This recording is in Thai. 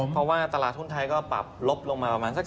เพราะว่าตลาดทุนไทยก็ปรับลบลงมาประมาณสัก